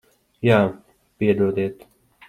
Jā. Piedodiet.